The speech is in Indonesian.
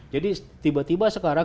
jadi tiba tiba sekarang